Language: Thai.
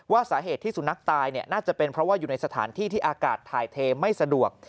สาเหตุที่สุนัขตายน่าจะเป็นเพราะว่าอยู่ในสถานที่ที่อากาศถ่ายเทไม่สะดวก